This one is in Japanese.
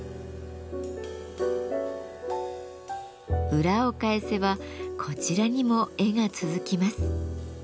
裏を返せばこちらにも絵が続きます。